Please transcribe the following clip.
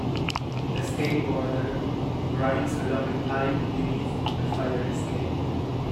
A skateboarder grinds along a pipe beneath a fire escape.